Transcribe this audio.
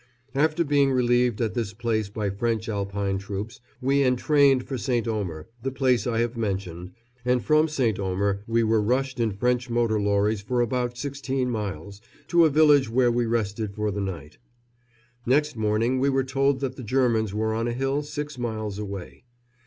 After being relieved at this place by French Alpine troops we entrained for St. Omer, the place I have mentioned, and from St. Omer we were rushed in French motor lorries for about sixteen miles, to a village where we rested for the night. Next morning we were told that the Germans were on a hill six miles away.